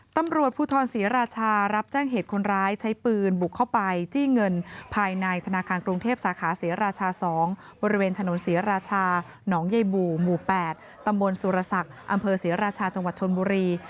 ตำรวจภูทรศรีราชารับแจ้งเหตุคนร้ายใช้ปืนบุกเข้าไปจี้เงินภายในธนาคารกรุงเทพสาขาศรีราชา๒บริเวณถนนศรีราชาหนองใยบู่หมู่๘ตำบลสุรศักดิ์อำเภอศรีราชาจังหวัดชนบุรี